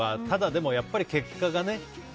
ただ、やっぱり結果がね。